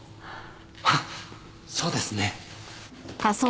ハハそうですね。